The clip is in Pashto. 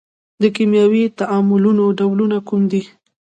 د کیمیاوي تعاملونو ډولونه کوم دي؟